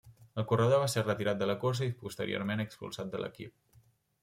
El corredor va ser retirat de la cursa i posteriorment expulsat de l'equip.